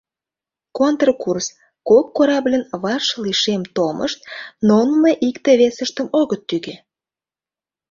Контркурс — кок корабльын ваш лишем толмышт, но нуно икте-весыштым огыт тӱкӧ.